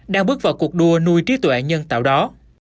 đang bước vào cuộc đua trí tuệ nhân tạo đó